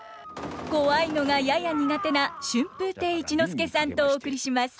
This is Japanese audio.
怖いのがやや苦手な春風亭一之輔さんとお送りします。